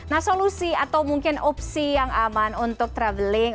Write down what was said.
nah solusi atau mungkin opsi yang aman untuk traveling